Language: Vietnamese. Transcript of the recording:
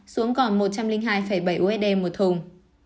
xuống còn một trăm linh hai bảy usd một thùng